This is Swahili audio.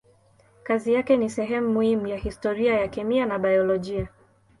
Kazi yake ni sehemu muhimu ya historia ya kemia na biolojia.